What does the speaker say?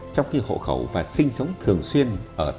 trong khi hộ khẩu và sinh sống thường xuyên ở